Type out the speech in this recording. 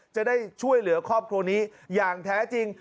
จะได้ช่วยเหลือครอบครัวนี้อย่างแท้จริง